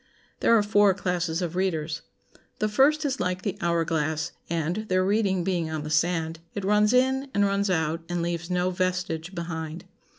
There are four classes of readers. The first is like the hour glass, and, their reading being on the sand, it runs in and runs out, and leaves no vestige behind.